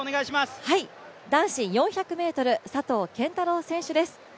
男子４００ｍ佐藤拳太郎選手です。